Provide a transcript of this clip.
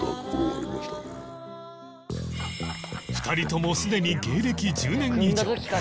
２人ともすでに芸歴１０年以上